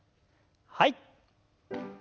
はい。